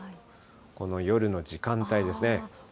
この夜の時間帯ですね。